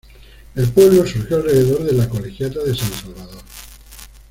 El pueblo surgió alrededor de la Colegiata de San Salvador.